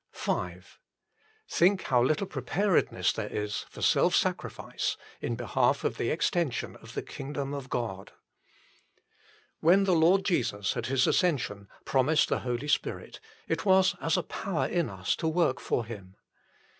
60 THE FULL BLESSING OF PENTECOST V Think how little preparedness there is for self sacrifice in behalf of the extension of the Idngdom of God. When the Lord Jesus at His ascension promised the Holy Spirit, it was as a power in us to work for Him.